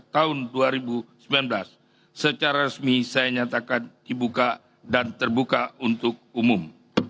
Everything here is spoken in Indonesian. tahun dua ribu sembilan belas secara resmi saya nyatakan dibuka dan terbuka untuk umum